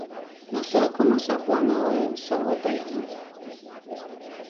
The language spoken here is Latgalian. Nu suokuma saplanavoju sovu dīnu.